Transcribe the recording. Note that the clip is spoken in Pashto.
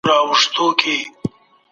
نور نيوکه کوونکي هم پر دې علم نیوکي کوي.